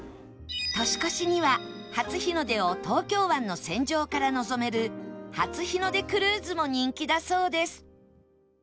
年越しには初日の出を東京湾の船上から望める初日の出クルーズも人気だそうです